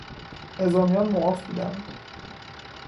نظامیان معاف بودند